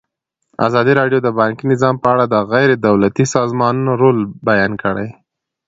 ازادي راډیو د بانکي نظام په اړه د غیر دولتي سازمانونو رول بیان کړی.